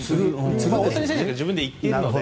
大谷選手が自分で言っているので。